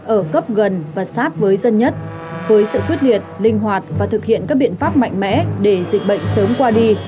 ở cấp gần và sát với dân nhất với sự quyết liệt linh hoạt và thực hiện các biện pháp mạnh mẽ để dịch bệnh sớm qua đi